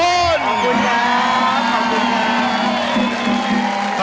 ขอบคุณครับ